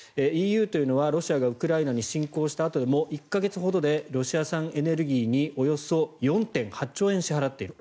ＥＵというのはロシアがウクライナに侵攻したあとも１か月ほどでロシア産エネルギーにおよそ４．８兆円支払っている。